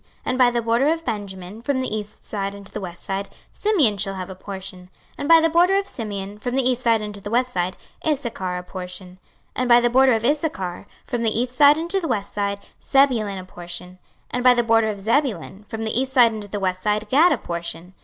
26:048:024 And by the border of Benjamin, from the east side unto the west side, Simeon shall have a portion. 26:048:025 And by the border of Simeon, from the east side unto the west side, Issachar a portion. 26:048:026 And by the border of Issachar, from the east side unto the west side, Zebulun a portion. 26:048:027 And by the border of Zebulun, from the east side unto the west side, Gad a portion.